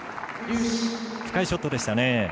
深いショットでしたね。